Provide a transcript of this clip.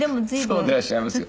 そうでいらっしゃいますよ。